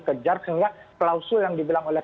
kejar sehingga klausul yang dibilang oleh